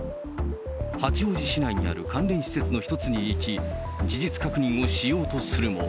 八王子市内にある関連施設の１つに行き、事実確認をしようとするも。